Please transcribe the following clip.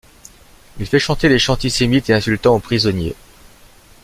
Il fait chanter des chants antisémites et insultants aux prisonniers.